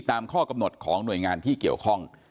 ตามข้อกำหนดของหน่วยงานที่เกี่ยวข้อง